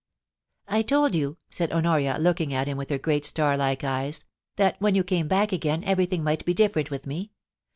' I told you,' said Honoria, looking at him with her great star like eyes, * that when you came back again everything might be different with me.